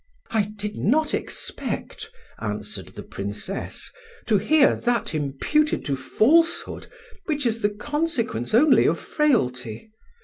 "I did not expect," answered, the Princess, "to hear that imputed to falsehood which is the consequence only of frailty.